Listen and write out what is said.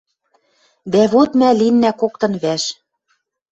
Дӓ вот мӓ линнӓ коктын вӓш.